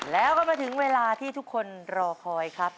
แล้วก็มาถึงเวลาที่ทุกคนรอคอยครับ